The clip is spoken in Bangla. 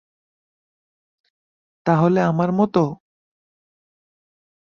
তাহলে আমার মত?